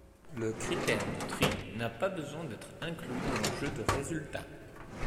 Le critère de tri n'a pas besoin d'être inclus dans le jeu de résultats.